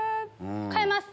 変えます。